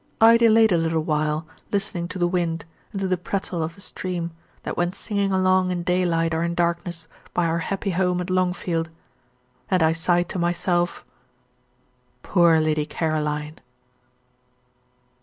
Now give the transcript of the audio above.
I delayed a little while, listening to the wind, and to the prattle of the stream, that went singing along in daylight or in darkness, by our happy home at Longfield. And I sighed to myself, "Poor Lady Caroline!"